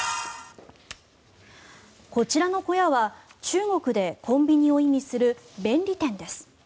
こちらの小屋は中国でコンビニを意味する便利店です。